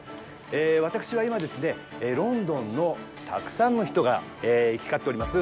私は今、ロンドンのたくさんの人が行き交っております